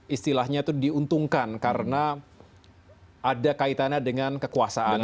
istilahnya itu diuntungkan karena ada kaitannya dengan kekuasaan